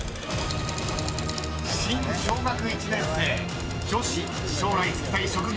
［新小学１年生女子将来就きたい職業］